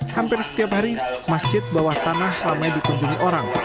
hampir setiap hari masjid bawah tanah ramai dikunjungi orang